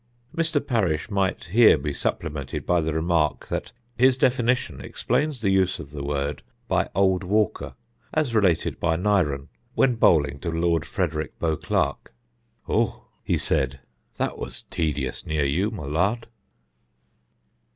Mr. Parish might here be supplemented by the remark that his definition explains the use of the word by old Walker, as related by Nyren, when bowling to Lord Frederick Beauclerk, "Oh," he said, "that was tedious near you, my lord."